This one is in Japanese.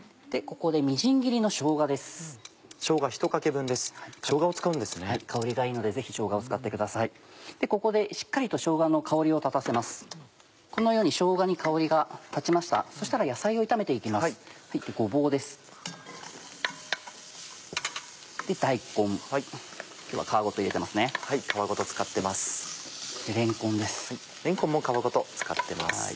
れんこんも皮ごと使ってます。